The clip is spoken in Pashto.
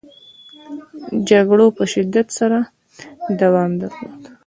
جګړو په شدت سره دوام درلوده.